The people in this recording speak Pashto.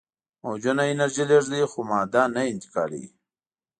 موجونه انرژي لیږدوي خو ماده نه انتقالوي.